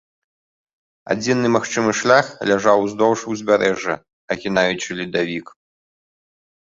Адзіны магчымы шлях ляжаў уздоўж узбярэжжа, агінаючы ледавік.